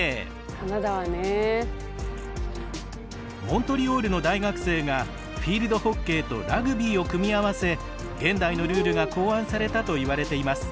モントリオールの大学生がフィールドホッケーとラグビーを組み合わせ現代のルールが考案されたといわれています。